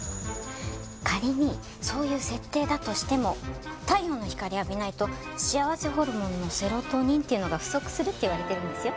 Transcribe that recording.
仮にそういう設定だとしても太陽の光を浴びないと幸せホルモンのセロトニンっていうのが不足するって言われてるんですよ。